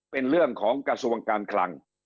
เป็นเรื่องของกระทรวงการคลัง